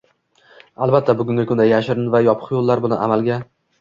Albatta, bugungi kunda yashirin va yopiq yo‘llar bilan amalga